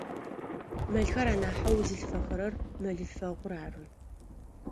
Мэлхэр анахьэу зылъфэхэрэр мэлъылъфэгъур ары.